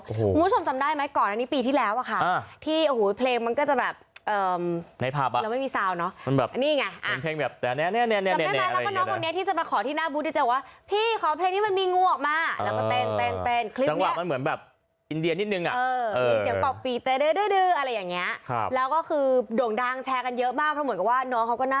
คุณผู้ชมจำได้ไหมก่อนอันนี้ปีที่แล้วอะคะอ่า